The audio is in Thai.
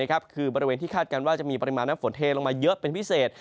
คือบริเวณที่คาดการณ์ว่าจะมีปริมาณน้ำฝนเทลงมาเยอะเป็นพิเศษ